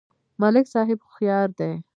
ملک صاحب هوښیار دی.